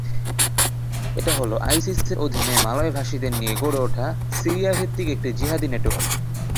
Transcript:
এটি হলো আইসিসের অধীনে মালয়ভাষীদের নিয়ে গড়ে ওঠা সিরিয়াভিত্তিক একটি জিহাদি নেটওয়ার্ক।